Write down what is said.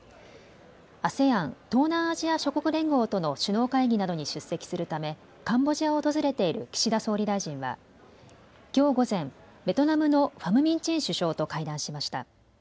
ＡＳＥＡＮ・東南アジア諸国連合との首脳会議などに出席するためカンボジアを訪れている岸田総理大臣はきょう午前、ベトナムのファム・ミン・チン首相と会談しました。